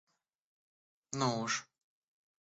Ну уж!